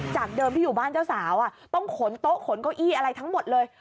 จากเดิมที่อยู่บ้านเจ้าสาวต้องขนโต๊ะขนเก้าอี้อะไรทั้งหมดเลย